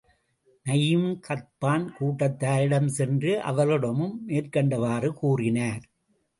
Naeem Ghatafan கூட்டத்தாரிடம் சென்று அவர்களிடமும் மேற்கண்டவாறு கூறினார்.